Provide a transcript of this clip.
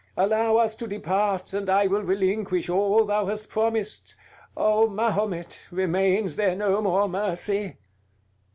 Allow us to depart, and I will relinquish all thou hast promised. O Mahomet! remains there no more mercy?"